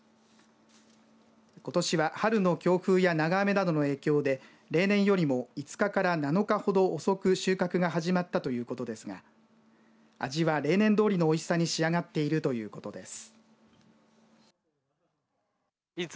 ことしは春の強風や長雨などの影響で例年よりも５日から７日ほど遅く収穫が始まったということですが味は例年どおりのおいしさに仕上がっているということです。